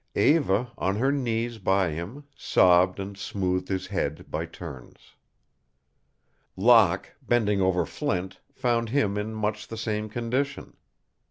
Eva, on her knees by him, sobbed and smoothed his head by turns. Locke, bending over Flint, found him in much the same condition.